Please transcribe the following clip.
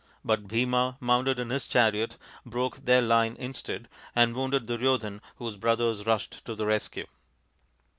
But Bhima, mounted in his chariot, broke their line instead, and wounded Duryodhan, whose brothers rushed to the rescue.